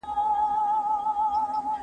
تواضع انسان لوړوي.